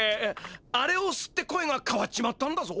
あれをすって声がかわっちまったんだぞ！？